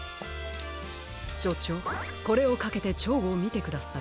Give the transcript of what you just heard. しょちょうこれをかけてチョウをみてください。